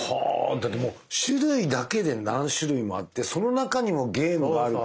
だってもう種類だけで何種類もあってその中にもゲームがあるから。